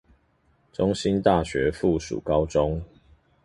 中興大學附屬高中